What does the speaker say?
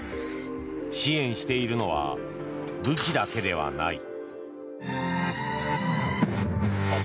支援しているのは武器だけではない。